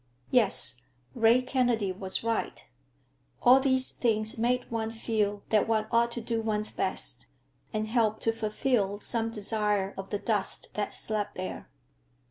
Yes, Ray Kennedy was right. All these things made one feel that one ought to do one's best, and help to fulfill some desire of the dust that slept there.